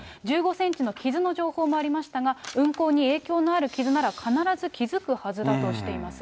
１５センチの傷の情報もありましたが、運航に影響のある傷なら、必ず気付くはずだとしています。